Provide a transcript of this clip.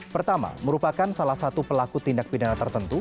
pertama merupakan salah satu pelaku tindak pidana tertentu